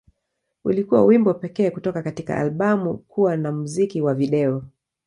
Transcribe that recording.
Ulikuwa wimbo pekee kutoka katika albamu kuwa na na muziki wa video.